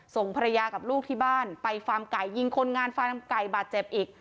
ส่งภรรยากับลูกที่บ้านไปฟาร์มไก่ยิงคนงานฟาร์มไก่บาดเจ็บอีก